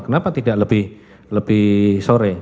kenapa tidak lebih sore